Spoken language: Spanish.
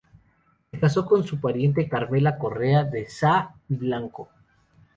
Se casó con su pariente Carmela Correa de Saa y Blanco.